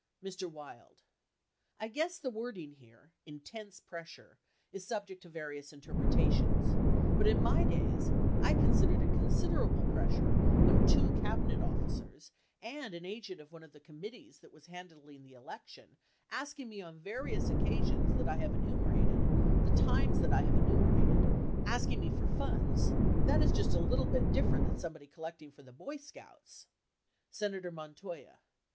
Mr. Wild. I guess the wording here "intense pressure," is subject to various interpretations, but in my days, I consid ered it considerable pressure when two Cabinet officers and an agent of one of the committees that was handling the election asking me on various occasions that I have enumerated, the times that I have enumerated ; asking me for funds — that is just a little bit different than somebody collecting for the Boy Scouts. Senator Montoya.